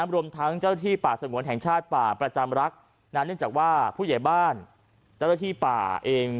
รวมทั้งเจ้าที่ป่าสงวนแห่งชาติป่าประจำรักเนื่องจากว่าผู้ใหญ่บ้านเจ้าหน้าที่ป่าเอง